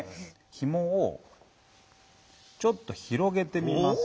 ひもをちょっと広げてみます。